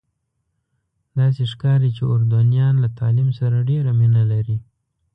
داسې ښکاري چې اردنیان له تعلیم سره ډېره مینه لري.